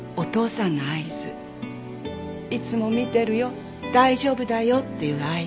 いつも見てるよ大丈夫だよっていう合図。